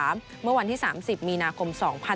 เมื่อวันที่๓๐มีนาคม๒๕๖๒